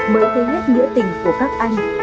mới thấy hết nghĩa tình của các anh